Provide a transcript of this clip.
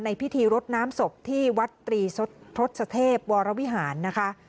พิธีรดน้ำศพที่วัดตรีทศเทพวรวิหารนะคะ